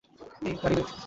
এই, গাড়ি নে।